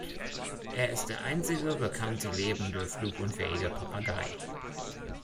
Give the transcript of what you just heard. Er ist der einzige bekannte lebende flugunfähige Papagei.